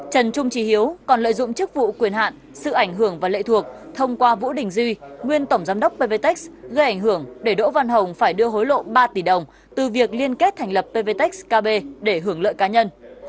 trần trung trí hiếu còn lợi dụng chức vụ quyền hạn sự ảnh hưởng và lệ thuộc thông qua vũ đình duy nguyên tổng giám đốc pvtec gây ảnh hưởng để đỗ văn hồng phải đưa hối lộ ba tỷ đồng từ việc liên kết thành lập pvtec kb để hưởng lợi cá nhân